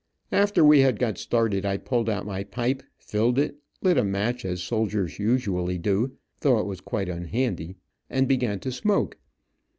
After we had got started I pulled out my pipe, filled it, lit a match as soldiers usually do, though it was quite unhandy, and began to smoke.